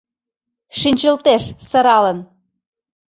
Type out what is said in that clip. Шинчылтеш сыралын.